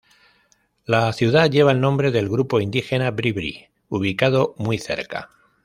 La ciudad lleva el nombre del grupo indígena Bribri, ubicado muy cerca.